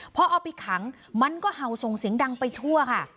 พอเอาไปขังมันก็เห่าส่งเสียงดังไปทั่วค่ะ